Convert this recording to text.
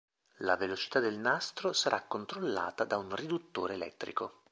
La velocità del nastro sarà controllata da un riduttore elettrico.